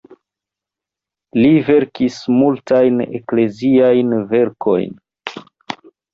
Li verkis multajn ekleziajn verkojn.